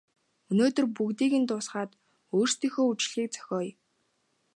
Өнөөдөр бүгдийг дуусгаад өөрсдийнхөө үдэшлэгийг зохиоё.